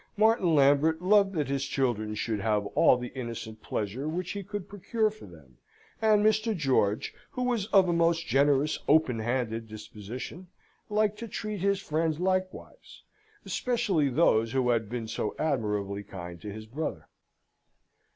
Martin Lambert loved that his children should have all the innocent pleasure which he could procure for them, and Mr. George, who was of a most generous, open handed disposition, liked to treat his friends likewise, especially those who had been so admirably kind to his brother.